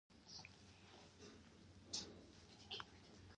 د کمپیوټر زده کړه یوه اړتیا ده.